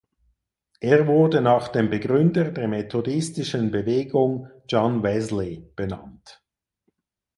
Er wurde nach dem Begründer der methodistischen Bewegung John Wesley benannt.